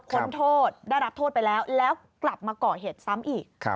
พ้นโทษได้รับโทษไปแล้วแล้วกลับมาก่อเหตุซ้ำอีก